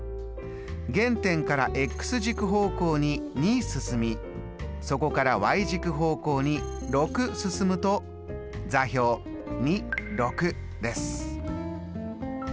原点から軸方向に２進みそこから軸方向に６進むと座標です。